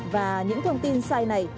và những thông tin sai này